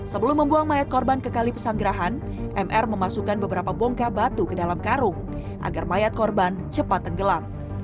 sebelum membuang mayat korban ke kali pesanggerahan mr memasukkan beberapa bongkah batu ke dalam karung agar mayat korban cepat tenggelam